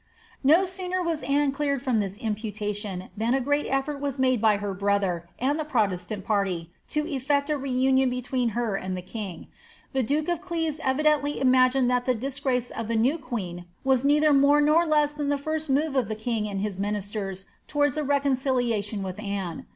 "' No sooner was Anne cleared from this imputation, than a great effort was made by her brother, and the protestant party, to effect a reunion between her and the king. The duke of Cieves evidently ima gined that the disgrace of the new queen was neither more nor less than the first move of the king and his ministers towards a reconciliation with Anne.